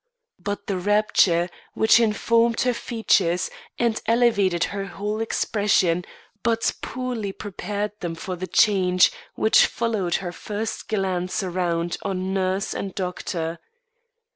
But the rapture which informed her features and elevated her whole expression but poorly prepared them for the change which followed her first glance around on nurse and doctor.